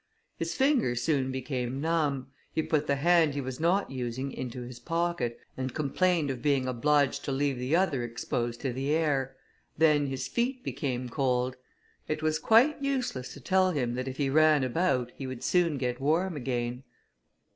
His fingers soon became numb; he put the hand he was not using into his pocket, and complained of being obliged to leave the other exposed to the air; then his feet became cold. It was quite useless to tell him that if he ran about, he would soon get warm again.